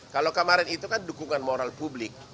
kalau kemarin itu kan dukungan moral publik